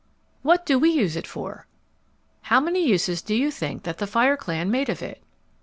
What do we use it for? How many uses do you think that the fire clan made of it?